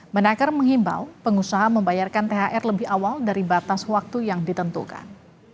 menaker menghimbau pengusaha membayarkan thr lebih awal dari batas waktu yang ditentukan